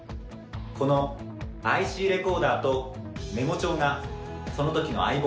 このＩＣレコーダーとメモ帳がそのときの相棒でした。